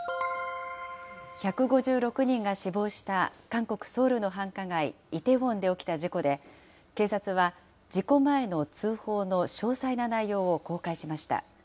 １５６人が死亡した韓国・ソウルの繁華街、イテウォンで起きた事故で、警察は事故前の通報の詳細な内容を公開しました。